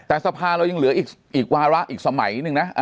แต่สภาเรายังเหลืออีกวาระอีกสมัยหนึ่งนะ